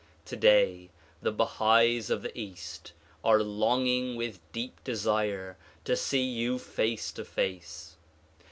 Today the Bahais of the east are longing with deep desire to see you face to face.